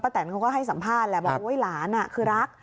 ประแต่นเขาก็ให้สัมภาษณ์บอกว่าอุ๊ยหลานคือรัก